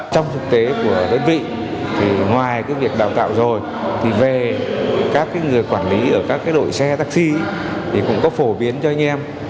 trong thực tế của đơn vị ngoài việc đào tạo rồi về các người quản lý ở các đội xe taxi cũng có phổ biến cho anh em